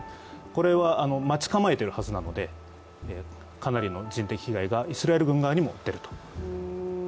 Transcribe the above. これは待ち構えてるはずなのでかなりの人的被害がイスラエル軍側にも出ると。